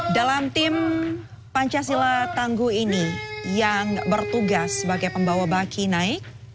dalam tim pancasila tangguh ini yang bertugas sebagai pembawa baki naik